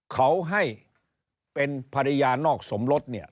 เขาให้เป็นภรรยานอกสมรสเนี่ย